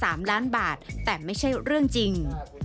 ล้านบาทแต่ไม่ใช่เรื่องจริง